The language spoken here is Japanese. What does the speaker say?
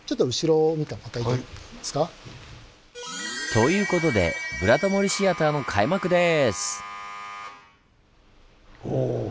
ということでブラタモリシアターの開幕です！